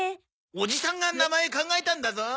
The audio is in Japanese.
おじさんが名前考えたんだぞ。